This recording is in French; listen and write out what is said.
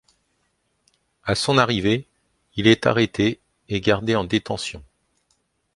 À son arrivée, il est arrêté et gardé en détention.